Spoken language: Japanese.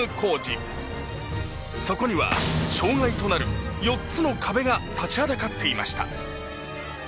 修海砲障害となる４つの壁が立ちはだかっていました。